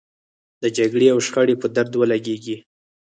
د جګړې او شخړې په درد ولګېږي.